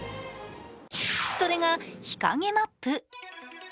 それが、日陰マップ。